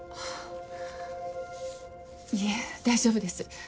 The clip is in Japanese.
いえ大丈夫です。